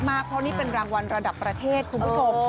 เพราะนี่เป็นรางวัลระดับประเทศคุณผู้ชม